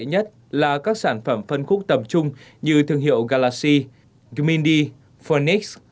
nhất nhất là các sản phẩm phân khúc tầm trung như thương hiệu galaxy gmindi phoenix